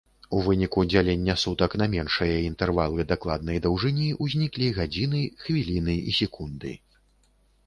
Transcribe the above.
У выніку дзялення сутак на меншыя інтэрвалы дакладнай даўжыні ўзніклі гадзіны, хвіліны і секунды.